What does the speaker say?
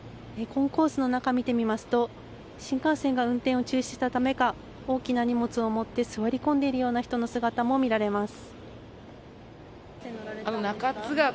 コンコースの中を見てみますと新幹線が運転を中止したためか大きな荷物を持って座り込んでいるような人の姿も見られます。